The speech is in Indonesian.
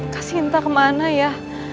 kak sinta kemana ya